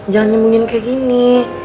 jangan nyembungin kayak gini